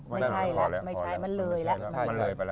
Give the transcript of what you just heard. ไม่ใช่ไม่ใช่มันเหลยแล้ว